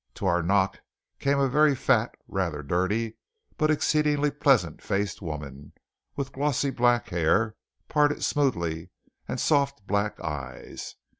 To our knock came a very fat, rather dirty, but exceedingly pleasant faced woman with glossy black hair, parted smoothly, and soft black eyes.